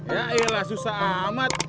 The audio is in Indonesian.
yaelah susah amat